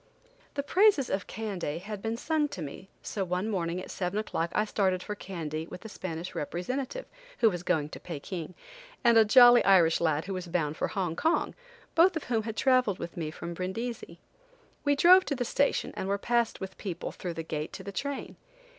The praises of Kandy had been sung to me, so one morning at seven o'clock I started for Kandy with the Spanish representative, who was going to Pekin, and a jolly Irish lad who was bound for Hong Kong, both of whom had traveled with me from Brindisi. We drove to the station and were passed with the people, through the gate to the train.